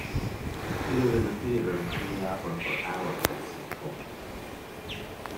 We go to the theatre and the opera for our fix of culture